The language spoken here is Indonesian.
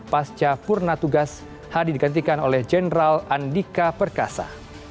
pasca purna tugas hadi digantikan oleh jenderal andika perkasa